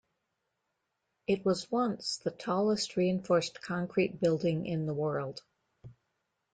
It was once the tallest reinforced concrete building in the world.